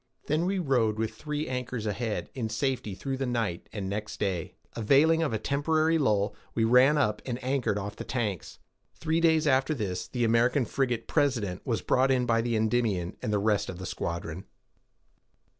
Then we rode, with three anchors ahead, in safety through the night; and next day, availing of a temporary lull, we ran up, and anchored off the Tanks. Three days after this, the American frigate President was brought in by the Endymion, and the rest of the squadron.